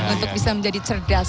untuk bisa menjadi cerdas